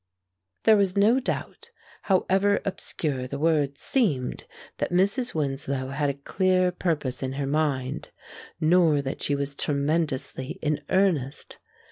There was no doubt, however obscure the words seemed, that Mrs. Winslow had a clear purpose in her mind, nor that she was tremendously in earnest.